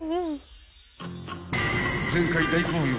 ［前回大好評］